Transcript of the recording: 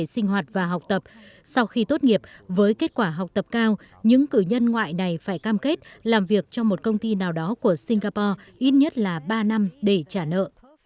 sau khi tốt nghiệp với kết quả học tập cao những cử nhân ngoại này phải cam kết làm việc trong một công ty nào đó của singapore ít nhất là ba năm để trả nợ